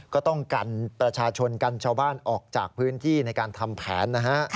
ก็ต้องกันประชาชนกันชาวบ้านออกจากพื้นที่ในการทำแผนนะฮะ